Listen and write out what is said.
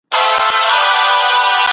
د لويي جرګې مشر څنګه خپل کار پرمخ وړي؟